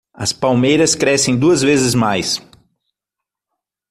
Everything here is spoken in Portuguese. As palmeiras crescem duas vezes mais.